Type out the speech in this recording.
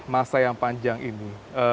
masa yang panjang ini